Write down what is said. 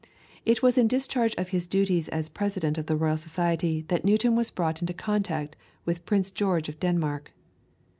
It was in discharge of his duties as President of the Royal Society that Newton was brought into contact with Prince George of Denmark.